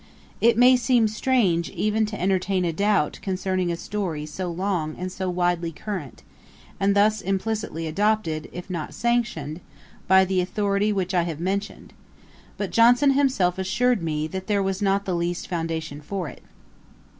It may seem strange even to entertain a doubt concerning a story so long and so widely current, and thus implicitly adopted, if not sanctioned, by the authority which I have mentioned; but Johnson himself assured me, that there was not the least foundation for it.